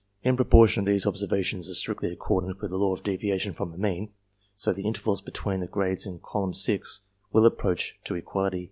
In proportion as these observations are strictly accordant with the law of deviation from a mean, so the intervals between the grades in Column VI. will approach to equality.